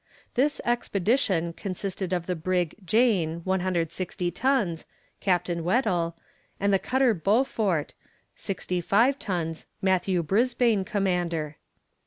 This expedition consisted of the brig Jane, 160 tons, Captain Weddell, and the cutter Beaufort, sixty five tons, Matthew Brisbane commander.